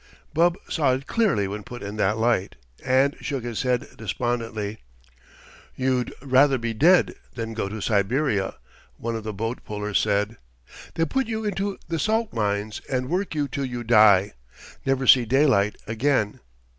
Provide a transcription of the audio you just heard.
Bub saw it clearly when put in that light, and shook his head despondently. "You'd rather be dead than go to Siberia," one of the boat pullers said. "They put you into the salt mines and work you till you die. Never see daylight again.